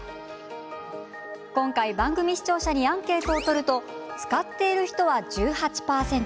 今回、番組視聴者にアンケートを取ると使っている人は１８％。